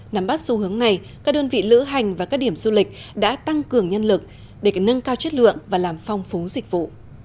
nắm bắt xu hướng này các đơn vị lữ hành và các điểm du lịch đã tăng cường nhân lực để nâng cao chất lượng và làm phong phú dịch vụ